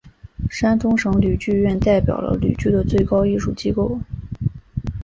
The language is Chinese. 山东省吕剧院代表了吕剧的最高艺术机构。